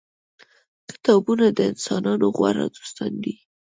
کتابونه د انسانانو غوره دوستان دي.